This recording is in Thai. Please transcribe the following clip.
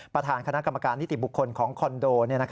ประธานคณะกรรมการนิติบุคคลของคอนโด